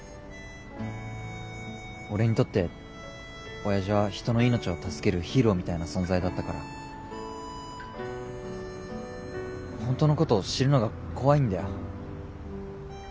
俺にとって親父は人の命を助けるヒーローみたいな存在だったから本当のことを知るのが怖いんだよ。